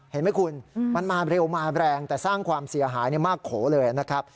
เห็นไหมคุณมันมาเร็วมาแรงแต่สร้างความเสียหายมากโขเลยนะครับ